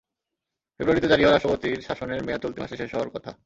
ফেব্রুয়ারিতে জারি হওয়া রাষ্ট্রপতির শাসনের মেয়াদ চলতি মাসে শেষ হওয়ার কথা।